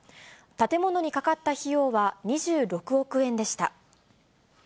建物にかかった費用は２６億円でした。